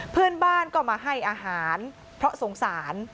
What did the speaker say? เพื่อนบ้านก็มาให้อาหารเพราะสงสาร